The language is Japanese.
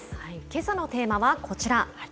けさのテーマはこちら。